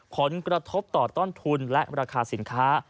ผลกระทบต่อต้นทุนและราคาสินค้า